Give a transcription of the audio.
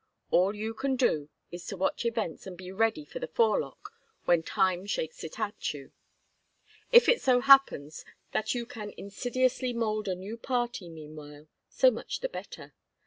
All you can do is to watch events and be ready for the forelock when time shakes it at you. If it so happens that you can insidiously mould a new party meanwhile, so much the better.